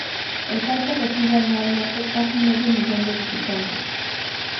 El parque recibe anualmente casi medio millón de visitantes.